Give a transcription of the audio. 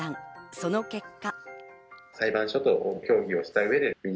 その結果。